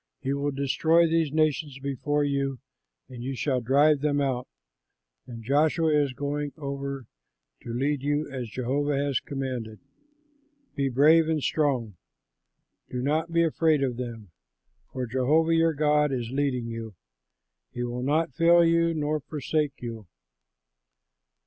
He will destroy these nations before you, and you shall drive them out; and Joshua is going over to lead you as Jehovah has commanded. Be brave and strong, do not be afraid of them, for Jehovah your God is leading you; he will not fail you nor forsake you."